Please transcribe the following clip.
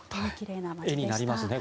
画になりますね